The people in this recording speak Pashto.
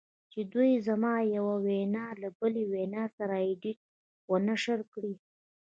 چې دوی زما یوه وینا له بلې وینا سره ایډیټ و نشر کړې